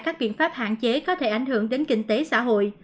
các biện pháp hạn chế có thể ảnh hưởng đến kinh tế xã hội